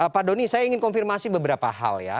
pak doni saya ingin konfirmasi beberapa hal ya